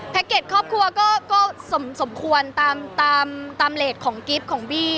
แพคเกตครอบครัวก็สมควรตามเย็นของคลิปของบี้